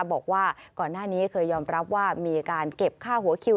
บอกว่าก่อนหน้านี้เคยยอมรับว่ามีการเก็บค่าหัวคิว